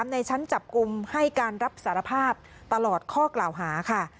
ในชั้นจับกลุ่มให้การรับสารภาพตลอดข้อกล่าวหาค่ะ